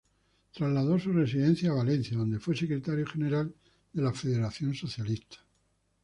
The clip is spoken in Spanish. Trasladó su residencia a Valencia, donde fue Secretario general de la Federación Socialista.